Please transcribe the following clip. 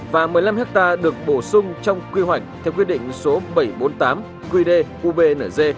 và một mươi năm hectare được bổ sung trong quy hoạch theo quyết định số bảy trăm bốn mươi tám qd ubnz